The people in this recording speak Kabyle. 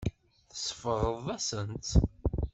Tsebɣeḍ-asen-tt.